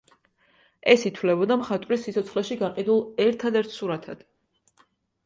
ეს ითვლებოდა მხატვრის სიცოცხლეში გაყიდულ ერთადერთ სურათად.